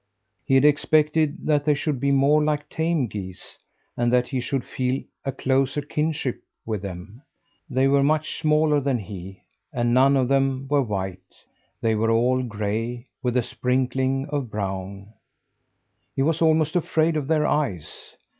He had expected that they should be more like tame geese, and that he should feel a closer kinship with them. They were much smaller than he, and none of them were white. They were all gray with a sprinkling of brown. He was almost afraid of their eyes.